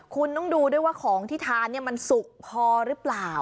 คุณต้องดูด้วยว่าของที่ทานมันสุกพอหรือเปล่า